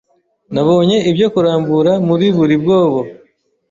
Nabonye ibyo kurambura muri buri mwobo